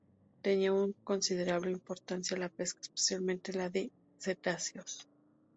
Tenía una considerable importancia la pesca, especialmente la de cetáceos.